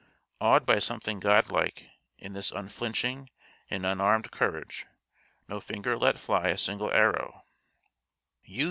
Awed by something god like in this unflinching and unarmed courage, no finger let fly a single arrow.